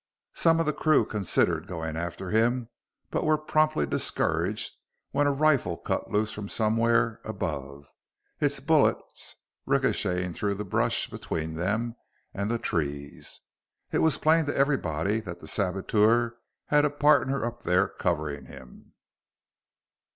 Some of the crew considered going after him but were promptly discouraged when a rifle cut loose from somewhere above, its bullets ricocheting through the brush between them and the trees. It was plain to everybody that the saboteur had a partner up there covering him.